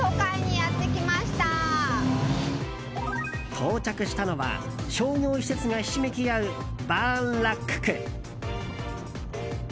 到着したのは、商業施設がひしめき合うバーンラック区。